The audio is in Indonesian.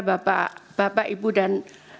bapak bapak ibu dan